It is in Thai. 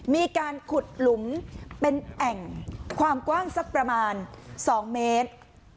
มีการขุดหลุมเป็นแอ่งความกว้างสักประมาณ๒เมตร